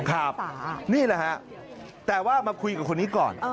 ครับนี่แหละฮะแต่ว่ามาคุยกับคนนี้ก่อน